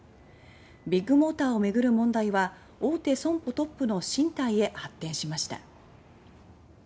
ビッグモーターを巡る問題は大手損保トップの進退へ発展しました。